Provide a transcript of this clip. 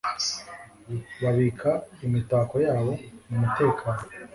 Babika imitako yabo mumutekano.